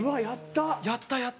やったやった。